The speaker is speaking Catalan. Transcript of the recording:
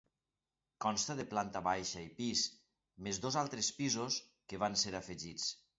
Consta de planta baixa i pis, més dos altres pisos que van ser afegits.